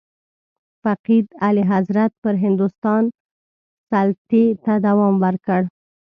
فقید اعلیحضرت پر هندوستان سلطې ته دوام ورکړ.